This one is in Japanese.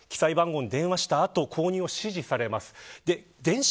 記載番号に電話はしたと購入を指示されます。